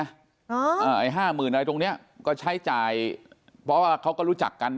อ่าไอ้ห้าหมื่นอะไรตรงเนี้ยก็ใช้จ่ายเพราะว่าเขาก็รู้จักกัน